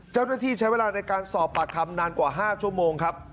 เจ้าหน้าที่ใช้เวลาในการสอบปากคำนานกว่า๕ชั่วโมงครับ